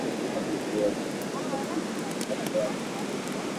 পরে আদালত শিশুটিকে রাজধানীর আজিমপুরে অবস্থিত ছোটমণি নিবাসে পাঠানোর আদেশ দেন।